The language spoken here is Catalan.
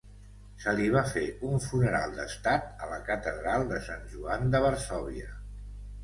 Se li va fer un funeral d'estat a la Catedral de Sant Joan de Varsòvia.